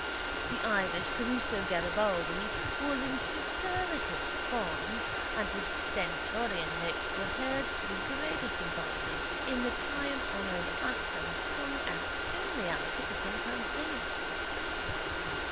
The Irish Caruso Garibaldi was in superlative form and his stentorian notes were heard to the greatest advantage in the timehonoured anthem sung as only our citizen can sing it.